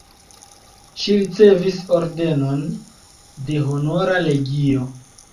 Ŝi ricevis ordenon de Honora legio.